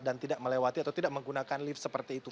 dan tidak melewati atau tidak menggunakan lift seperti itu